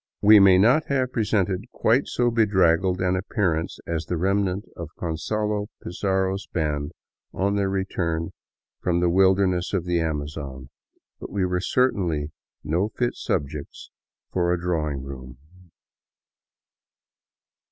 We may not have presented quite so bedraggled an appearance as the remnant of Gonzalo Pizarro's band on their return from the wilderness of the Amazon, but we were cer tainly no fit subjects for a drawing room.